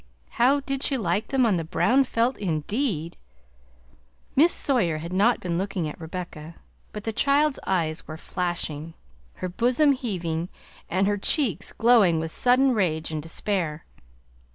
How did she like them on the brown felt indeed? Miss Sawyer had not been looking at Rebecca, but the child's eyes were flashing, her bosom heaving, and her cheeks glowing with sudden rage and despair.